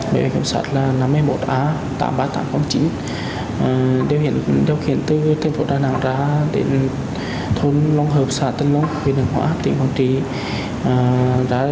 bởi bài kiểm soát là năm mươi một a tám mươi ba nghìn tám trăm linh chín đưa kiến từ thành phố đà nẵng ra đến thôn long hợp xã tân long huyện hướng hóa tỉnh quảng trị